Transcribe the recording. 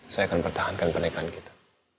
saya akan pertahankan pernikahan kita